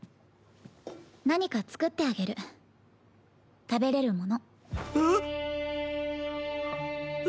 何か作ってあげる食べれるもの。